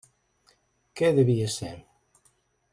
Què devia ser?